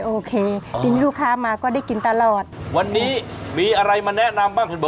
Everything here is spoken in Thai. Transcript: โอเคนะครัวใหม่สดใหม่ทุกวันครับ